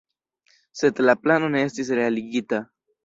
Sed la plano ne estis realigita.